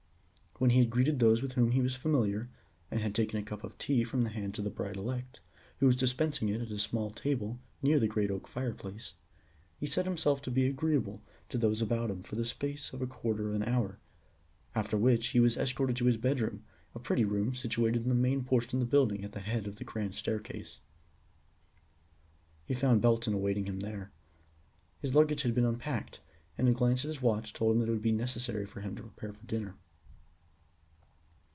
When he had greeted those with whom he was familiar, and had taken a cup of tea from the hands of the bride elect, who was dispensing it at a small table near the great oak fireplace, he set himself to be agreeable to those about him for the space of a quarter of an hour, after which he was escorted to his bedroom, a pretty room situated in the main portion of the building at the head of the grand staircase. He found Belton awaiting him there. His luggage had been unpacked, and a glance at his watch told him that it would be necessary for him to prepare for dinner.